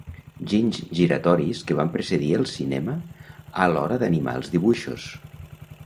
Ginys giratoris que van precedir els cinema a l'hora d'animar els dibuixos.